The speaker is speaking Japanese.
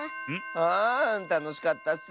あたのしかったッス。